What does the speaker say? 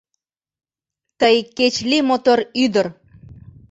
Тый кеч лий мотор ӱдыр —